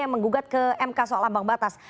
yang menggugat ke mk soal ambang batas